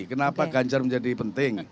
kenapa ganjar menjadi penting